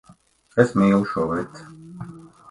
Es mīlu šo veci.